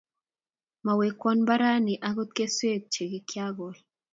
Mawekwo mbaranni agot keswek che kiagol